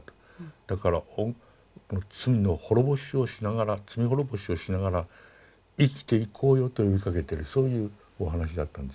だから罪の滅ぼしをしながら罪滅ぼしをしながら生きていこうよと呼びかけてるそういうお話だったんですね。